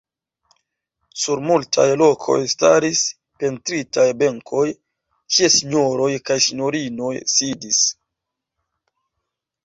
Sur multaj lokoj staris pentritaj benkoj, kie sinjoroj kaj sinjorinoj sidis.